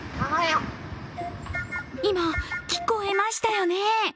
今、聞こえましたよね？